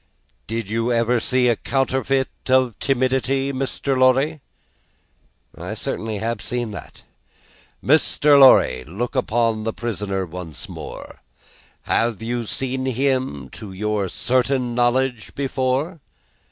"Did you ever see a counterfeit of timidity, Mr. Lorry?" "I certainly have seen that." "Mr. Lorry, look once more upon the prisoner. Have you seen him, to your certain knowledge, before?"